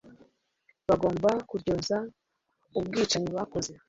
bagomba kuryozwa ubwicanyi bakoze